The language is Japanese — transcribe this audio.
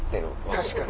確かに！